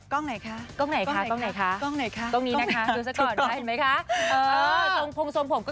กล้องไหนคะ